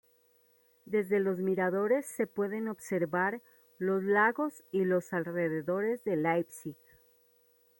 Desde los miradores se pueden observar los lagos y los alrededores de Leipzig.